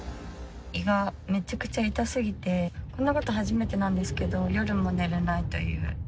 胃がめちゃくちゃ痛すぎて、こんなこと初めてなんですけど、夜も寝れないという。